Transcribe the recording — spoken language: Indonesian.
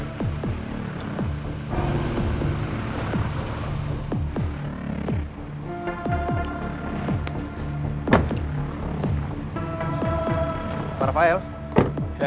tidak ada yang bisa dikira